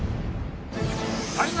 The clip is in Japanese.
「大河」